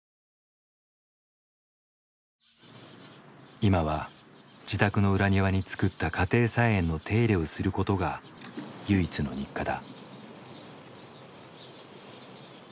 今は自宅の裏庭につくった家庭菜園の手入れをすることが唯一の日課だ。